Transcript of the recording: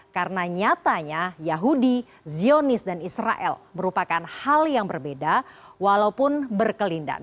karena nyatanya yahudi zionis dan israel merupakan hal yang berbeda walaupun berkelindahan